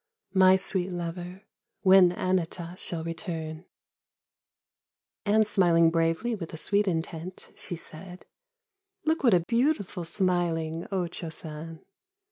My sweet lover, when Anata. shall return !" And smiling bravely with a sweet intent, she said :" Look what a beautiful smiling O Cho San